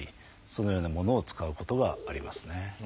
そのようなものを使うことがありますね。